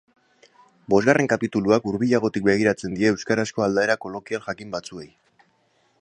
Bosgarren kapituluak hurbilagotik begiratzen die euskarazko aldaera kolokial jakin batzuei.